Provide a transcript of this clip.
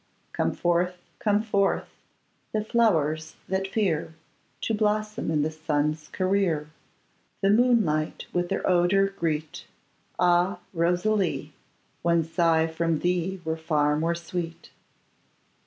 Come forth, come forth, the flowers that fear To blossom in the sun's career The moonlight with their odours greet; Ah! Rosalie, one sigh from thee were far more sweet!